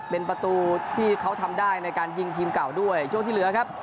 เป็นประตูที่เขาทำได้ในการยิงทีมเก่าด้วยช่วงที่เหลือครับ